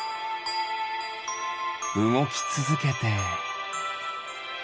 うごきつづけて。